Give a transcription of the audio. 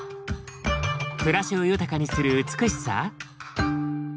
暮らしを豊かにする美しさ？